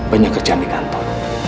banyak kerjaan di kantor